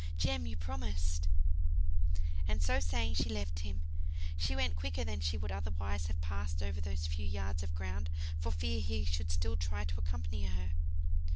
Jem, you promised " And so saying she left him. She went quicker than she would otherwise have passed over those few yards of ground, for fear he should still try to accompany her.